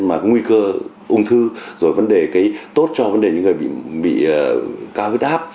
mà có nguy cơ ung thư rồi vấn đề cái tốt cho vấn đề những người bị cao huyết áp